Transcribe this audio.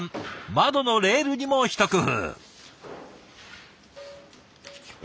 窓のレールにも一工夫。